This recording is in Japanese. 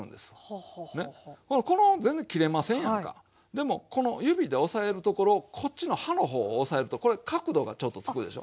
でもこの指で押さえるところをこっちの刃の方を押さえるとこれ角度がちょっとつくでしょ。